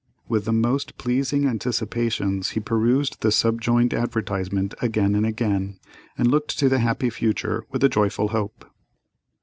With the most pleasing anticipations he perused the subjoined advertisement again and again, and looked to the happy future with a joyful hope.